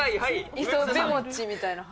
磯部もちみたいな話？